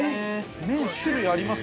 ◆麺、種類あります。